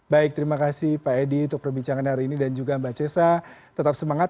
baik terima kasih pak edi untuk perbincangan hari ini dan juga mbak cesa tetap semangat